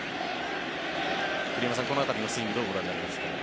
栗山さん、この辺りのスイングどうご覧になりますか？